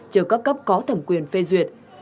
cho các cấp có thẩm quyền phê duyệt